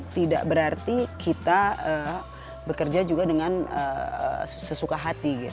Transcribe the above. tidak berarti kita bekerja juga dengan sesuka hati